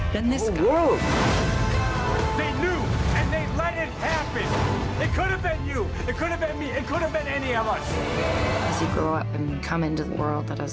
พอเของั้นสาวเขาไปโลกมันอาจจะนั่น